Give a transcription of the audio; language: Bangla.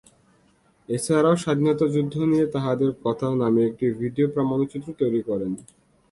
এছাড়াও স্বাধীনতা যুদ্ধ নিয়ে ‘তাহাদের কথা’ নামে একটি ভিডিও প্রামাণ্যচিত্র তৈরি করেন।